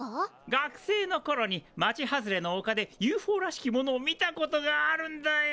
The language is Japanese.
学生のころに町外れのおかでＵＦＯらしきものを見たことがあるんだよ。